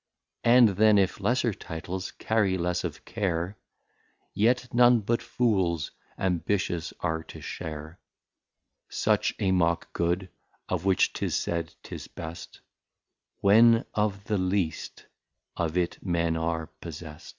And then, if lesser Titles carry less of Care, Yet none but Fools ambitious are to share Such a Mock Good, of which 'tis said, 'tis Best, When of the least of it Men are possest.